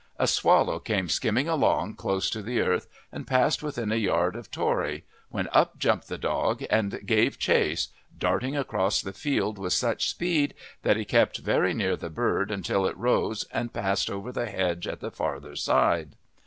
A swallow came skimming along close to the earth and passed within a yard of Tory, when up jumped the dog and gave chase, darting across the field with such speed that he kept very near the bird until it rose and passed over the hedge at the farther side.